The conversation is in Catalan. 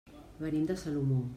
Venim de Salomó.